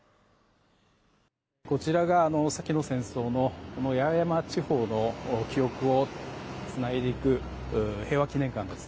こちらが先の戦争の八重山地方の記憶をつないでいく平和祈念館です。